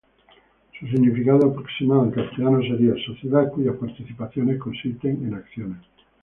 Su significado aproximado en castellano sería: "sociedad cuyas participaciones consisten en acciones".